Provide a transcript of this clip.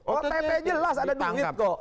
ott jelas ada di wip kok